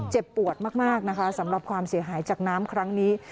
เจ็บปวดมากนะคะสำหรับความเสียหายจากน้ำครั้งนี้